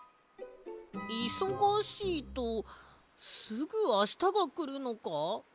いそがしいとすぐあしたがくるのか？